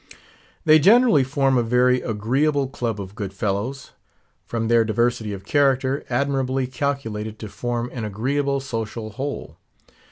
They generally form a very agreeable club of good fellows; from their diversity of character, admirably calculated to form an agreeable social whole.